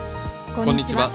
こんにちは。